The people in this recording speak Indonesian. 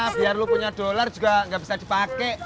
biar lu punya dollar juga nggak bisa dipakai